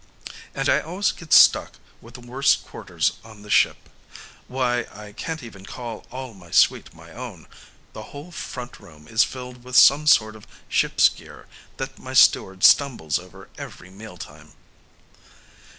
And I always get stuck with the worst quarters on the ship. Why, I can't even call all my suite my own. The whole front room is filled with some sort of ship's gear that my steward stumbles over every meal time."